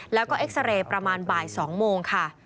แล้วก็เอ็กซาเรย์ประมาณบ่าย๒โมงค่ะ